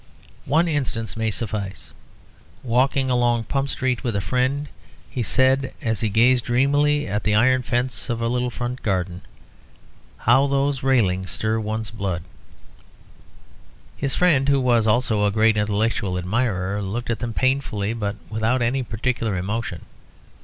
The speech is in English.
One instance may suffice. Walking along Pump Street with a friend, he said, as he gazed dreamily at the iron fence of a little front garden, "How those railings stir one's blood!" His friend, who was also a great intellectual admirer, looked at them painfully, but without any particular emotion.